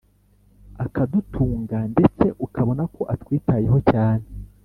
akadutunga ndetse ukabona ko atwitayeho cyane